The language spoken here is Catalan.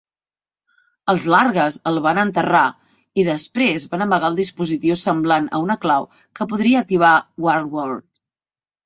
Els Largas el van enterrar i després van amagar el dispositiu semblant a una clau que podria activar Warworld.